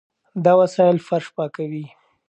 دا وسایل فرش پاکوي.